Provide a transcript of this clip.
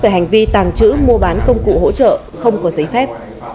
về hành vi tàng trữ mua bán công cụ hỗ trợ không có giấy phép